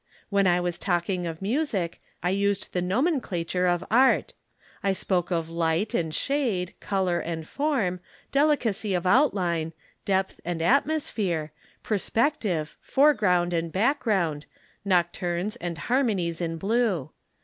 When I was talking of music, I used the nomenclature of art. I spoke of light and shade, color and form, delicacy of outline, depth and atmosphere, perspective, foreground and background, nocturnes and harmonies in blue.